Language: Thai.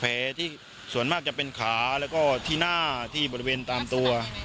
ที่ส่วนมากจะเป็นขาแล้วก็ที่หน้าที่บริเวณตามตัว